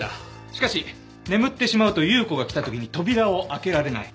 しかし眠ってしまうと優子が来た時に扉を開けられない。